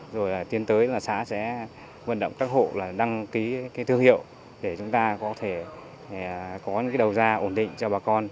rồi tiến tới là xã sẽ vận động các hộ là đăng ký cái thương hiệu để chúng ta có thể có những cái đầu ra ổn định cho bà con